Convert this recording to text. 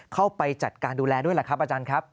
เข้าไปจัดการดูแลด้วยแหละครับอาจารย์ครับ